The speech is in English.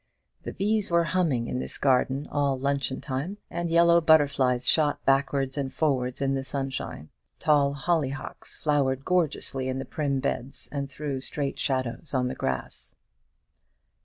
The bees were humming in this garden all luncheon time, and yellow butterflies shot backwards and forwards in the sunshine: tall hollyhocks flowered gorgeously in the prim beds, and threw straight shadows on the grass.